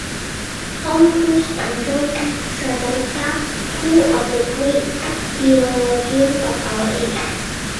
Tom Cruise and John Travolta - two of the great theologians of our age.